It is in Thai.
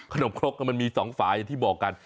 ขนมครกมันมีสองฝ่ายที่บอกกัน